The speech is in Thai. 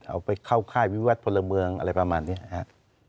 เอาไปเข้าค่ายวิวัตรพลเมืองอะไรประมาณนี้นะครับ